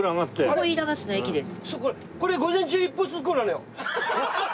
ここ飯田橋の駅です。